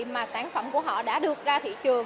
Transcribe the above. mà sản phẩm của họ đã được ra thị trường